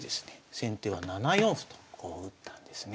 先手は７四歩とこう打ったんですね。